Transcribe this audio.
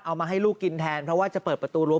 มาให้ลูกกินแทนเพราะว่าจะเปิดประตูรั้